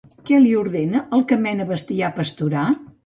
Què li ordena el que mena bestiar a pasturar?